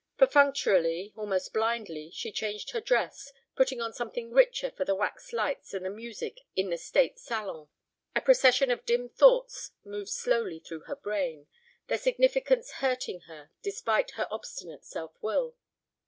Perfunctorily, almost blindly, she changed her dress, putting on something richer for the wax lights and the music in the state salon. A procession of dim thoughts moved slowly through her brain, their significance hurting her despite her obstinate self will.